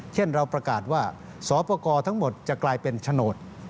เช่นเราประกาศว่าสอปกรทั้งหมดจะกลายเป็นโฉนด